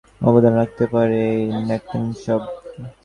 অথচ মৌলবাদের বিরুদ্ধে দাঁড়াতে অবদান রাখতে পারে এই নাট্যোৎসবই।